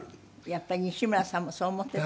やっぱり西村さんもそう思っていた。